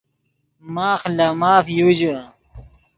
ماخ لے ماف یو ژے